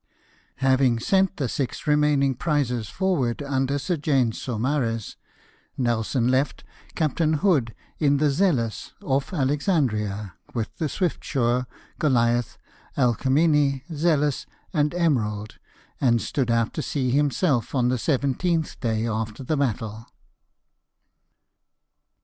Having sent the six remaining prizes forward under Sir James Saumarez, Nelson left Captain Hood, in the Zealous, off Alexandria, with the Swiftsure, Goliath, Alcniene, Zealous, and Emerald, and stood out to sea himself on the seventeenth day after the battle.